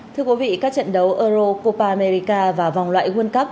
thưa quý vị các trận đấu euro copa america và vòng loại world cup